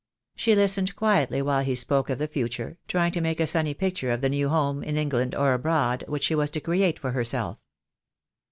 She listened quietly while he spoke of the future, trying to make a sunny picture of the new home, in England or abroad, which she was to create for herself.